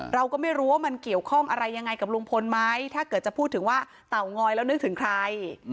เราก็ไม่รู้ว่ามันเกี่ยวข้องอะไรยังไงกับลุงพลไหมถ้าเกิดจะพูดถึงว่าเตางอยแล้วนึกถึงใคร